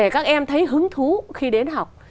các em thấy hứng thú khi đến học